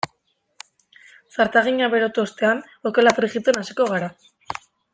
Zartagina berotu ostean okela frijitzen hasiko gara.